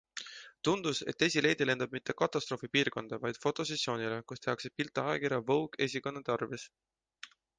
Tundus, et esileedi lendab mitte katastroofipiirkonda, vaid fotosessioonile, kus tehakse pilte ajakirja Vogue esikaane tarvis.